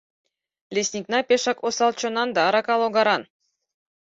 Лесникна пешак осал чонан да арака логаран...